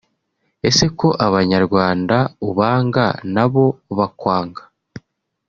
Ese ko abanyarwanda ubanga nabo bakwanga